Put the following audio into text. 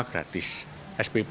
jadi orang tua tidak perlu bayar spp